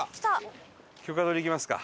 許可取りいきますか。